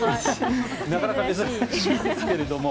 なかなか珍しいですけども。